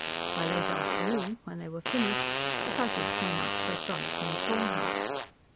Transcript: By late afternoon, when they were finished, the Fuzzies came out for a frolic and prawn hunt.